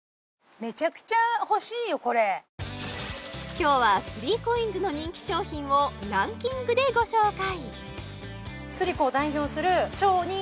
今日は３ＣＯＩＮＳの人気商品をランキングでご紹介